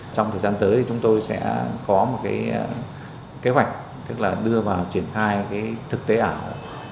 trong thời gian tới thì chúng tôi sẽ có một cái kế hoạch tức là đưa vào triển khai cái thực tế ảo